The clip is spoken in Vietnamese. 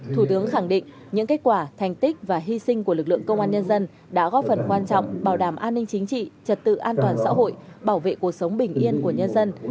thủ tướng khẳng định những kết quả thành tích và hy sinh của lực lượng công an nhân dân đã góp phần quan trọng bảo đảm an ninh chính trị trật tự an toàn xã hội bảo vệ cuộc sống bình yên của nhân dân